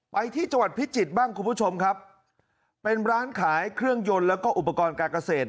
ไปที่จังหวัดพิจิตรบ้างคุณผู้ชมครับเป็นร้านขายเครื่องยนต์แล้วก็อุปกรณ์การเกษตร